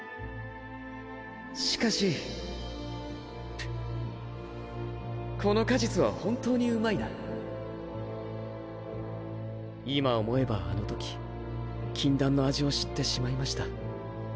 しかしこの果実は本当にうまいな今思えばあの時禁断の味を知ってしまいました。